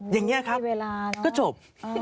อย่างนี้ครับก็ชบ